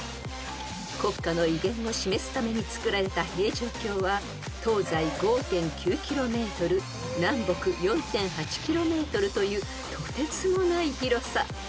［国家の威厳を示すためにつくられた平城京は東西５．９ｋｍ南北４．８ｋｍというとてつもない広さ］